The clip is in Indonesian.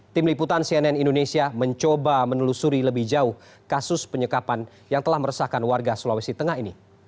tim liputan cnn indonesia mencoba menelusuri lebih jauh kasus penyekapan yang telah meresahkan warga sulawesi tengah ini